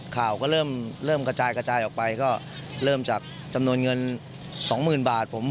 ข่าวก็เริ่มกระจายกระจายออกไปก็เริ่มจากจำนวนเงิน๒๐๐๐บาท